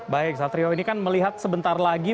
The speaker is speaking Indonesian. baik satrio ini kan melihat sebentar lagi